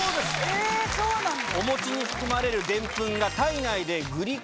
えっそうなんだ。